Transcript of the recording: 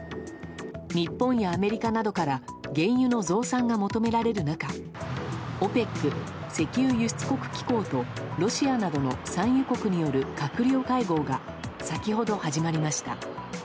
日本やアメリカなどから原油の増産が求められる中ＯＰＥＣ・石油輸出国機構とロシアなどの産油国による閣僚会合が先ほど始まりました。